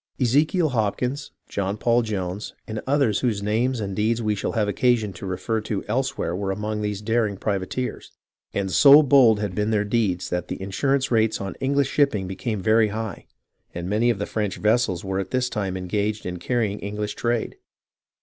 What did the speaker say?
Ezekiel Hopkins, John Paul Jones, and others whose names and deeds we shall have occasion to refer to elsewhere were among these daring privateers, and so bold had been their deeds that insurance rates on Enghsh shipping became very high, and many of the French vessels were at this time engaged in carrying the English trade.